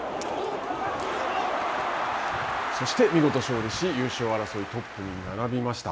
そして、見事勝利し、優勝争いトップに並びました。